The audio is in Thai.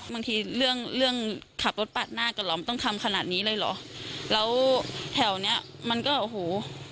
บางทีเรื่องขับรถปลัดหน้ากรำตำค่ำขนาดนี้เลยหรอแล้วแถวเนี่ยมันก็ฮู